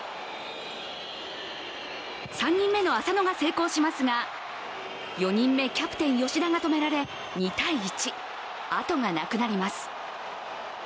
３人目の浅野が成功しますが４人目、キャプテン・吉田が止められ２−１、あとがなくなります。